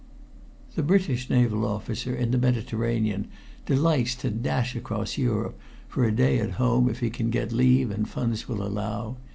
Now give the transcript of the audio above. The British naval officer in the Mediterranean delights to dash across Europe for a day at home if he can get leave and funds will allow.